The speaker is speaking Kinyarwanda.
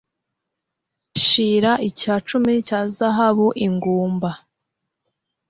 shira icya cumi cya zahabu ingumba